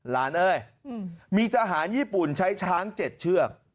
เอ้ยมีทหารญี่ปุ่นใช้ช้าง๗เชือก